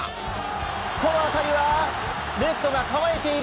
この当たりはレフトが構えている。